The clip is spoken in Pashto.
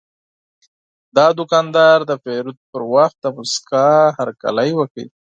دا دوکاندار د پیرود پر وخت د موسکا هرکلی وکړ.